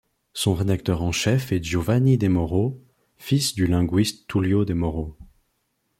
Son rédacteur en chef est Giovanni De Mauro, fils du linguiste Tullio De Mauro.